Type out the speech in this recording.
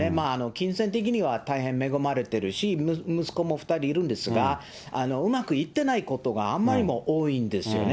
金銭的には大変恵まれてるし、息子も２人いるんですが、うまくいってないことがあまりにも多いんですよね。